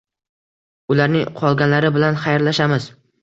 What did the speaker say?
Ularning qolganlari bilan xayrlashamiz.